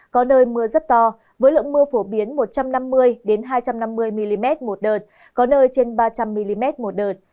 có nơi mưa rất to với lượng mưa phổ biến một trăm năm mươi hai trăm năm mươi mm một đợt có nơi trên ba trăm linh mm một đợt